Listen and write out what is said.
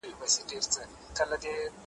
که هر څه د حکمت فالونه ګورې افلاطونه! ,